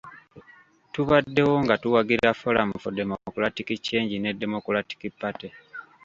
Tubaddewo nga tuwagira Forum for Democratic Change ne Democratic Party.